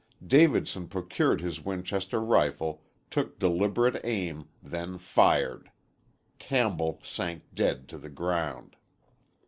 Davidson procured his Winchester rifle, took deliberate aim, then fired. Campbell sank dead to the ground.